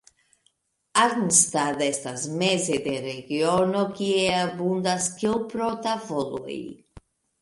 Arnstadt estas meze de regiono kie abundas keŭpro-tavoloj.